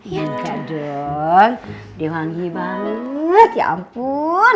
ingat gak dong dia wangi banget ya ampun